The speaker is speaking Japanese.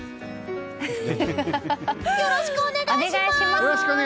よろしくお願いします！